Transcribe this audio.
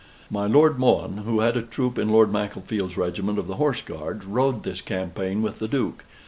My Lord Mohun, who had a troop in Lord Macclesfield's regiment of the Horse Guards, rode this campaign with the Duke.